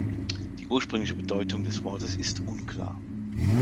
Die ursprüngliche Bedeutung des Wortes ist unklar.